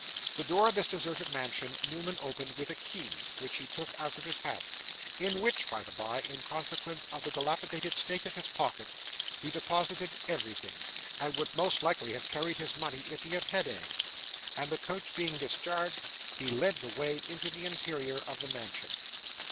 The door of this deserted mansion Newman opened with a key which he took out of his hat in which, by the bye, in consequence of the dilapidated state of his pockets, he deposited everything, and would most likely have carried his money if he had had any and the coach being discharged, he led the way into the interior of the mansion.